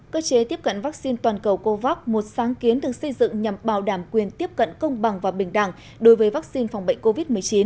cơ chế tiếp cận vaccine toàn cầu covax một sáng kiến được xây dựng nhằm bảo đảm quyền tiếp cận công bằng và bình đẳng đối với vaccine phòng bệnh covid một mươi chín